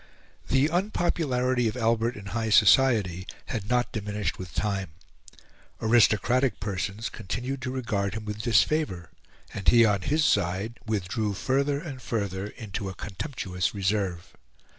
The unpopularity of Albert in high society had not diminished with time. Aristocratic persons continued to regard him with disfavour; and he on his side, withdrew further and further into a contemptuous reserve.